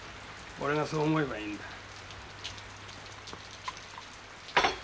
俺がそう思えばいいんだ。